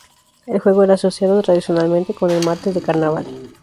El juego era asociado tradicionalmente con el martes de carnaval.